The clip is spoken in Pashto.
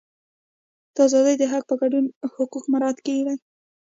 د ازادۍ د حق په ګډون حقوق مراعات کړي.